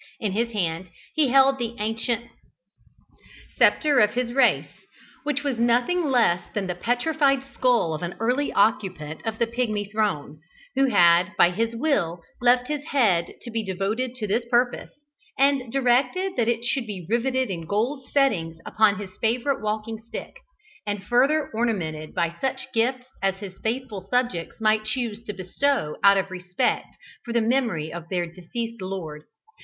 In his hand he held the ancient sceptre of his race, which was nothing less than the petrified skull of an early occupant of the Pigmy throne, who had by his will left his head to be devoted to this purpose, and directed that it should be rivetted in gold settings upon his favourite walking stick, and further ornamented by such gifts as his faithful subjects might choose to bestow out of respect for the memory of their deceased lord.